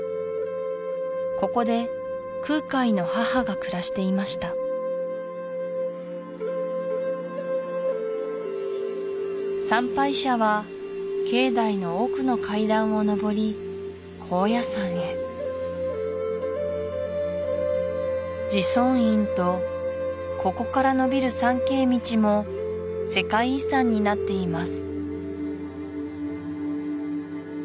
ここで空海の母が暮らしていました参拝者は境内の奥の階段を上り高野山へ慈尊院とここから延びる参詣道も世界遺産になっています